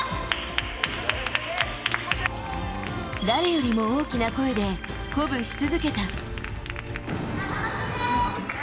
誰よりも大きな声で鼓舞し続けた。